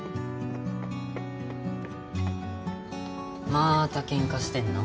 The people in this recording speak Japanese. まーたケンカしてんの？